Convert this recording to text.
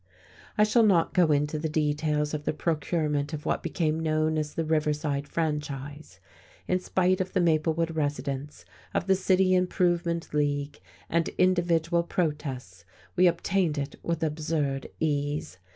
I shall not go into the details of the procurement of what became known as the Riverside Franchise. In spite of the Maplewood residents, of the City Improvement League and individual protests, we obtained it with absurd ease.